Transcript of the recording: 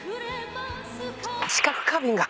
知覚過敏が。